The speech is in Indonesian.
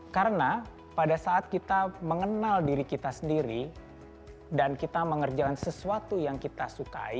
karena pada saat kita mengenal diri kita sendiri dan kita mengerjakan sesuatu yang kita sukai